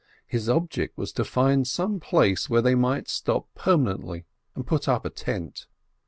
His object was to find some place where they might stop permanently, and put up a tent.